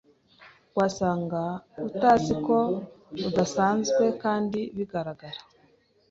Wasanga utaziko udasanzwe kandi bigaragara